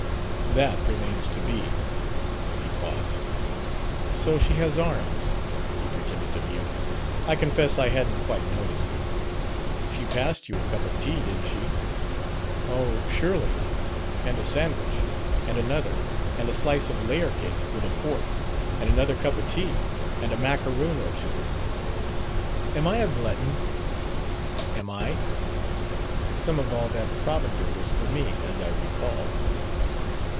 "That remains to be...." He paused. "So she has arms," he pretended to muse. "I confess I hadn't quite noticed." "She passed you a cup of tea, didn't she?" "Oh, surely. And a sandwich. And another. And a slice of layer cake, with a fork. And another cup of tea. And a macaroon or two " "Am I a glutton?" "Am I? Some of all that provender was for me, as I recall."